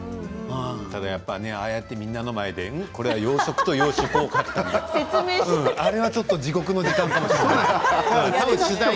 ただああやってみんなの前でこれは養殖と洋食をかけたってあれはちょっと地獄の時間かもしれない。